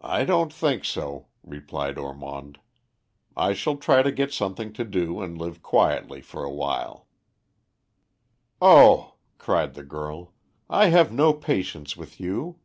"I don't think so," replied Ormond. "I shall try to get something to do and live quietly for awhile." "Oh!" cried the girl, "I have no patience with you."